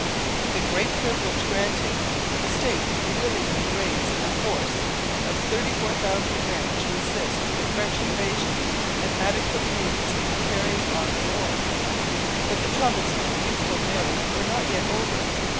The Great Privilege granted, the States willingly raised a force of 34,000 men to resist the French invasion, and adequate means for carrying on the war. But the troubles of the youthful Mary were not yet over.